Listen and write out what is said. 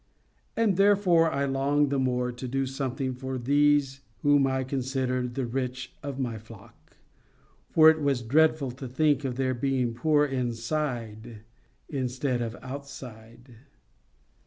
And therefore I longed the more to do something for these whom I considered the rich of my flock; for it was dreadful to think of their being poor inside instead of outside.